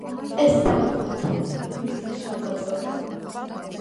ეს სამეული ფილმის პირველ ნაწილში მოღვაწეობდა.